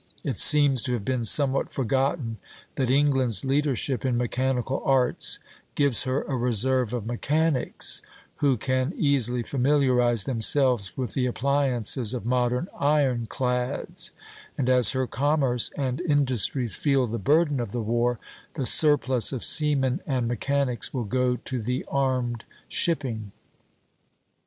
It seems to have been somewhat forgotten that England's leadership in mechanical arts gives her a reserve of mechanics, who can easily familiarize themselves with the appliances of modern iron clads; and as her commerce and industries feel the burden of the war, the surplus of seamen and mechanics will go to the armed shipping.